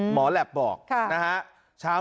หมอแหลปบอกนะคะชาว